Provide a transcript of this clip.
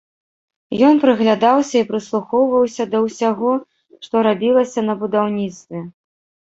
Ён прыглядаўся і прыслухоўваўся да ўсяго, што рабілася на будаўніцтве.